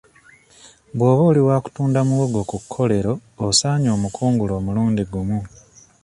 Bw'oba oli wa kutunda muwogo ku kkolero osaanye omukungule omulundi gumu.